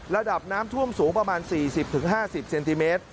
ระดับน้ำท่วมสูงประมาณ๔๐๕๐เซนติเมตร